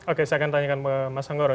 oke saya akan tanyakan mas hanggoro